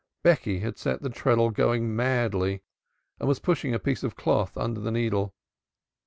Becky had set the treadle going madly and was pushing a piece of cloth under the needle.